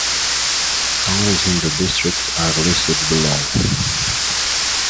Towns in the district are listed below.